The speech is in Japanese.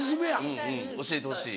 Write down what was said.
うんうん教えてほしい。